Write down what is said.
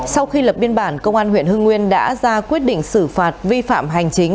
sau khi lập biên bản công an huyện hưng nguyên đã ra quyết định xử phạt vi phạm hành chính